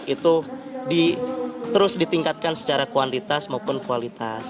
itu terus ditingkatkan secara kuantitas maupun kualitas